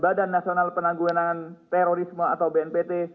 e badan intelijen strategis tni barat